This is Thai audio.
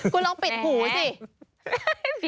คุณลองปิดหูสิ